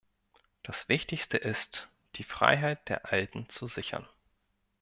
Das wichtigste ist, die Freiheit der Alten zu sichern!